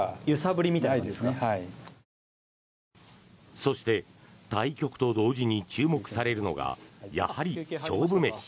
そして対局と同時に注目されるのがやはり、勝負飯。